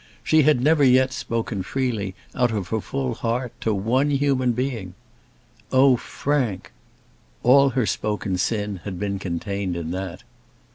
She had never yet spoken freely, out of her full heart, to one human being. "Oh, Frank!" All her spoken sin had been contained in that.